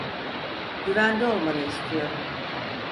Güvende olmanı istiyorum.